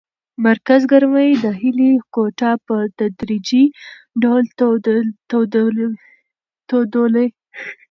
مرکز ګرمۍ د هیلې کوټه په تدریجي ډول تودوله.